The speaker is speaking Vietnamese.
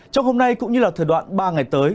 trong hôm nay cũng như là thời đoạn ba ngày tới